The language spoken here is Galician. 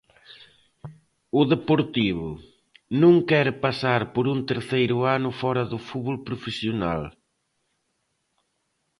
O Deportivo non quere pasar por un terceiro ano fóra do fútbol profesional.